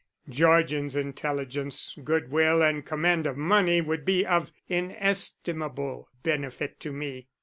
Georgian's intelligence, good will, and command of money would be of inestimable benefit to me.